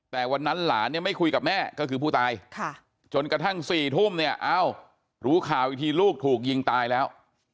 แต่วันนั้นหลานเนี่ยไม่คุยกับแม่ก็คือผู้ตายจนกระทั่ง๔ทุ่มเนี่ยเอ้ารู้ข่าวอีกทีลูกถูกยิงตายแล้ว